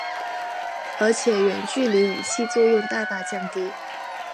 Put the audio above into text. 而且远距离武器作用大大降低。